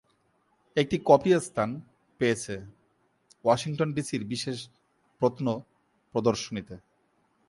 একটি কপি স্থান পেয়েছে ওয়াশিংটন ডিসির বিশেষ প্রত্নপ্রদর্শনীতে।